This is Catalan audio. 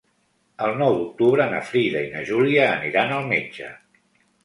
El nou d'octubre na Frida i na Júlia aniran al metge.